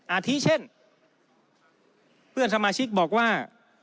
อาทิเช่นเพื่อนสมาชิกบอกว่า